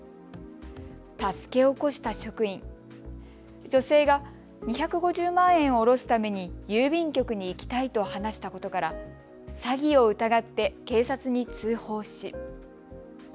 助け起こした職員、女性が２５０万円を下ろすために郵便局に行きたいと話したことから詐欺を疑って警察に通報し。